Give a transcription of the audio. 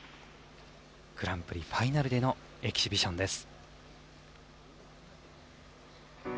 グランプリファイナルでのエキシビションです。